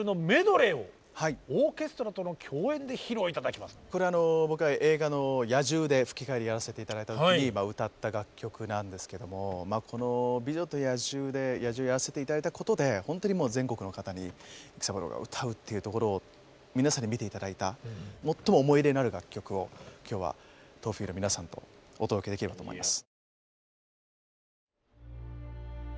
このあとはこれは僕は映画の野獣で吹き替えでやらせていただいた時に歌った楽曲なんですけどもこの「美女と野獣」で野獣をやらせていただいたことで本当にもう全国の方に育三郎が歌うっていうところを皆さんに見ていただいた最も思い入れのある楽曲を今日は東フィルの皆さんとお届けできればと思います。